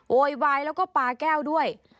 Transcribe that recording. โวยวายแล้วก็ปลาแก้วด้วย